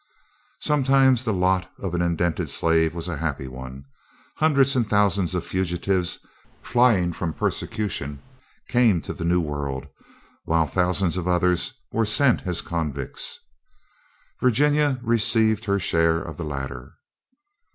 Sometimes the lot of an indented slave was a happy one. Hundreds and thousands of fugitives flying from persecution came to the New World, while thousands of others were sent as convicts. Virginia received her share of the latter.